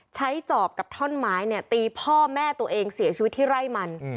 จอบกับท่อนไม้เนี่ยตีพ่อแม่ตัวเองเสียชีวิตที่ไร่มัน